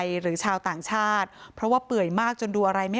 ส่วนของหัวมือขาที่หายไปอาจจะถูกสัตว์น้ำกัดแทะออกไปก็เป็นไปได้